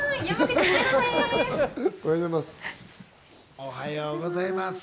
おはようございます。